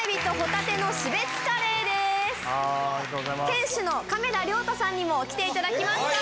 店主の亀田亮太さんにも来ていただきました。